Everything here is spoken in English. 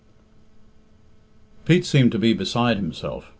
XII. Pete seemed to be beside himself.